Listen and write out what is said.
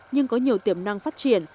nhưng có nhiều tiềm năng phát triển